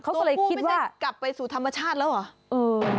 ตัวผู้ไม่ได้กลับไปสู่ธรรมชาติแล้วเหรอ